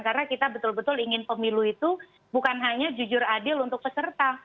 karena kita betul betul ingin pemilu itu bukan hanya jujur adil untuk peserta